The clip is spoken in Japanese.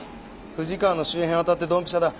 藤川の周辺をあたってドンピシャだ。